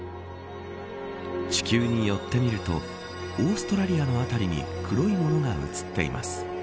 地球に寄ってみるとオーストラリアの辺りに黒い物が写っています。